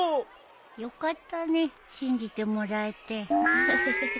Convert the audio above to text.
よかったね信じてもらえて。